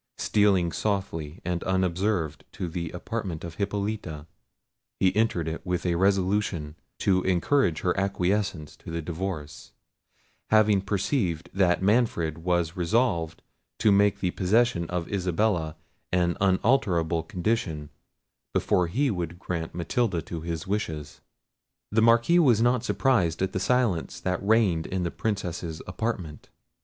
Stealing softly and unobserved to the apartment of Hippolita, he entered it with a resolution to encourage her acquiescence to the divorce, having perceived that Manfred was resolved to make the possession of Isabella an unalterable condition, before he would grant Matilda to his wishes. The Marquis was not surprised at the silence that reigned in the Princess's apartment.